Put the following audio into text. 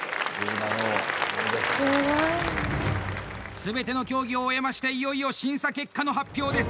すべての競技を終えましていよいよ審査結果の発表です！